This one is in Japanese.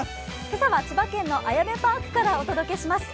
今朝は千葉県のあやめパークからお届けします。